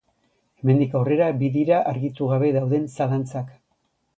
Hemendik aurrera, bi dira argitu gabe dauden zalantzak.